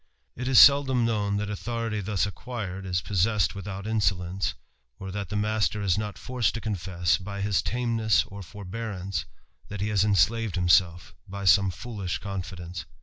It is seldom known that authority thus acquired, ii possessed without insolence, or that the master is not forced to confess, by his tameness or forbearance, that he \ enslaved himself by some foolish confidence.